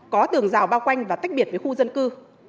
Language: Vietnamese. có tường rào bao quanh và tách biệt với khu dân cư